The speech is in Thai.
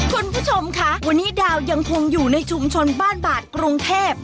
คุณผู้ชมค่ะวันนี้ดาวยังคงอยู่ในชุมชนบ้านบาดกรุงเทพ